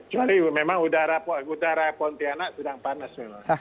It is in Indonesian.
jadi memang udara pontianak sudah panas